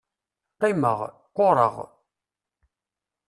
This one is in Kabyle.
Qqimeɣ, qqureɣ.